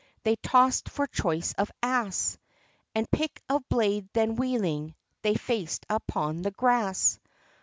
They tossed for choice of ass, And pick of blade, then wheeling, they faced upon the grass.